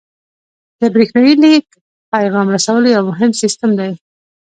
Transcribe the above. د بریښنایي لیک پیغام رسولو یو مهم سیستم دی.